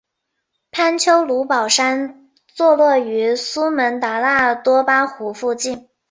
潘丘卢保山坐落于苏门答腊多巴湖附近。